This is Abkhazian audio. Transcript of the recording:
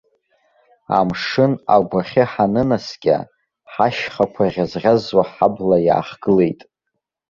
Амшын агәахьы ҳанынаскьа, ҳашьхақәа ӷьазӷьазуа ҳабла иаахгылеит.